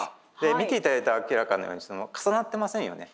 見ていただいて明らかなように重なってませんよね。